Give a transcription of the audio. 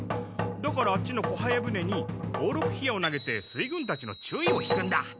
だからあっちの小早船に宝禄火矢を投げて水軍たちの注意を引くんだ。